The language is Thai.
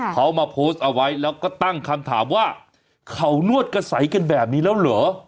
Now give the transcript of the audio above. เขามาโพสต์เอาไว้แล้วก็ตั้งคำถามว่าเขานวดกระใสกันแบบนี้แล้วเหรอ